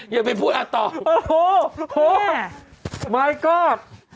อย่าไปพูดอ้างตอน